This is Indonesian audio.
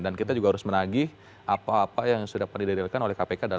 dan kita juga harus menagih apa apa yang sudah penyelidikan oleh kpk dalam persidangan